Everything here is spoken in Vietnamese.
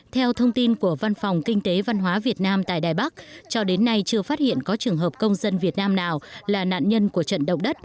theo thông tin của văn phòng kinh tế và văn hóa việt nam tại đài bắc cho đến nay chưa phát hiện có trường hợp công dân việt nam nào